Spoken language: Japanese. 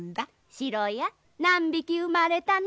シロや何匹生まれたの？